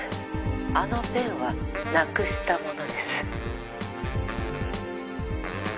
あのペンはなくしたものです。